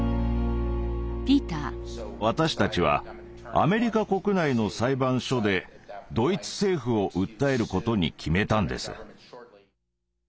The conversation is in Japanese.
私たちはアメリカ国内の裁判所でドイツ政府を訴えることに決めたんです。